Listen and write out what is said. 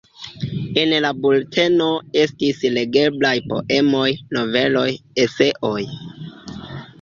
En la bulteno estis legeblaj poemoj, noveloj, eseoj.